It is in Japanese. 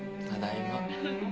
ただいま。